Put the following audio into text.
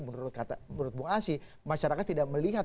menurut bung asyi masyarakat tidak melihat